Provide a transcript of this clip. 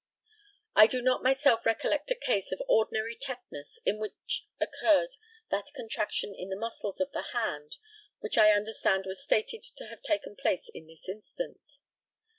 I do not myself recollect a case of ordinary tetanus in which occurred that contraction in the muscles of the hand which I understand was stated to have taken place in this instance.